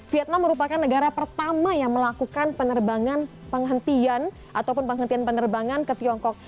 vietnam merupakan negara pertama yang melakukan penerbangan penghentian ataupun penghentian penerbangan ke tiongkok